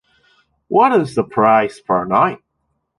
What is the price per night?